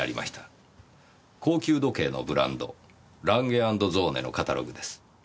高級時計のブランドランゲ＆ゾーネのカタログです。